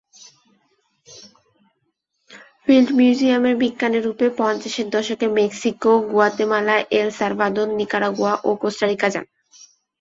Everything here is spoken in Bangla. ফিল্ড মিউজিয়ামের বিজ্ঞানী রূপে পঞ্চাশের দশকে Mexico, Guatemala, El Salvador, Nicaragua ও কোস্টা রিকা যান।